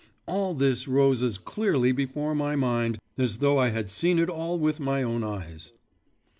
All this rose as clearly before my mind as though I had seen it all with my own eyes.